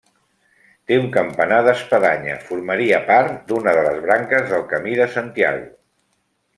Té un campanar d'espadanya, formaria part d'una de les branques del camí de Santiago.